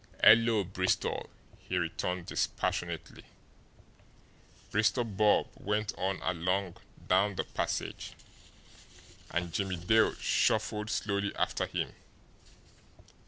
"'Ello, Bristol," he returned dispassionately. Bristol Bob went on along down the passage, and Jimmie Dale shuffled slowly after him.